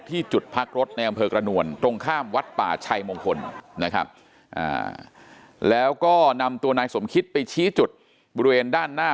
จุดพักรถในอำเภอกระนวลตรงข้ามวัดป่าชัยมงคลนะครับแล้วก็นำตัวนายสมคิตไปชี้จุดบริเวณด้านหน้า